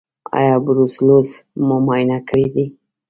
ایا بروسلوز مو معاینه کړی دی؟